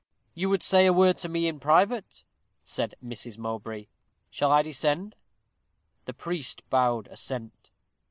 "You would say a word to me in private," said Mrs. Mowbray; "shall I descend?" The priest bowed assent.